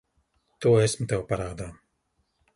To esmu tev parādā.